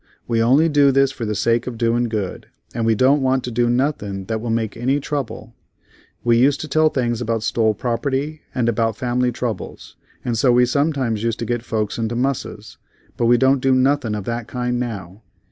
We only do this for the sake of doin' good, and we don't want to do nothin' that will make any trouble. We used to tell things about stole property, and about family troubles, and so we sometimes used to get folks into musses, but we don't do nothin' of that kind now.